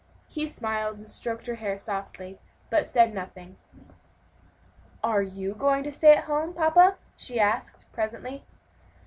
He smiled, and stroked her hair softly, but said nothing. "Are you going to stay at home, papa?" she asked presently.